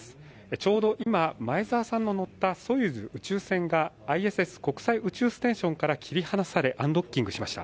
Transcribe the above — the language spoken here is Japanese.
ちょうど今、前澤さんの乗ったソユーズ宇宙船がＩＳＳ＝国際宇宙ステーションから切り離されアンドッキングしました。